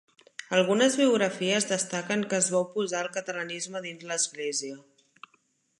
Algunes biografies destaquen que es va oposar al catalanisme dins l'Església.